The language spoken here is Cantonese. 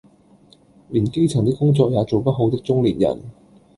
連基層的工作也做不好的中年人